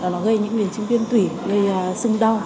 nó gây những nguyên chứng viên tủy gây sưng đau